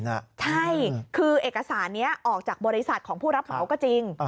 ใช่คือเอกสารนี้ออกจากบริษัทของผู้รับเหมาก็จริง